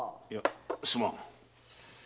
いやすまん。